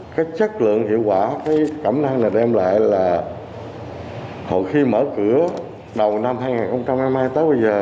cái chất lượng hiệu quả cái cẩm năng này đem lại là hồi khi mở cửa đầu năm hai nghìn hai mươi tới bây giờ